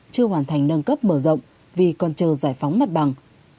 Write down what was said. chưa hoàn thành nâng cấp mở rộng vì còn chờ giải phóng mặt bằng